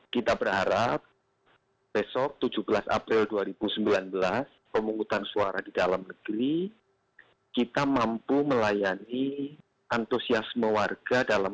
kita berharap besok tujuh belas april dua ribu sembilan belas pemungutan suara di dalam negeri kita mampu melayani antusiasme warga dalam